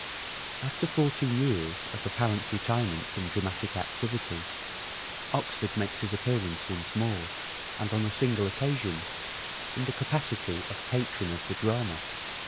After fourteen years of apparent retirement from dramatic activities, Oxford makes his appearance once more, and on a single occasion, in the capacity of patron of the drama.